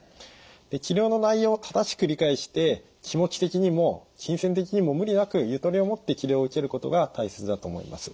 治療の内容を正しく理解して気持ち的にも金銭的にも無理なくゆとりを持って治療を受けることが大切だと思います。